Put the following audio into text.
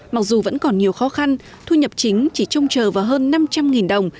mặc dù vẫn còn nhiều khó khăn thu nhập chính chỉ trông chờ vào hơn năm trăm linh đồng